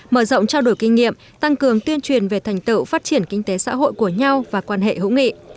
mở rộng trao đổi kinh nghiệm tăng cường tuyên truyền về thành tựu phát triển kinh tế xã hội của nhau và quan hệ hữu nghị